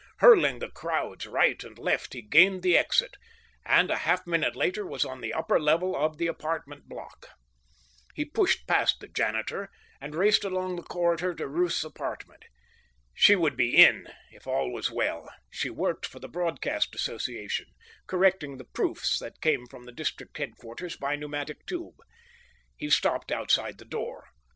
Hurling the crowds right and left he gained the exit, and a half minute later was on the upper level of the apartment block. He pushed past the janitor and raced along the corridor to Ruth's apartment. She would be in if all was well; she worked for the Broadcast Association, correcting the proofs that came from the district headquarters by pneumatic tube. He stopped outside the door.